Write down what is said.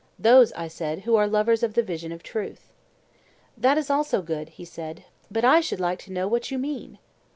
Those, I said, who are lovers of the vision of truth. That is also good, he said; but I should like to know what you mean?